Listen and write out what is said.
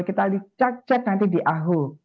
kita cek cek nanti di aho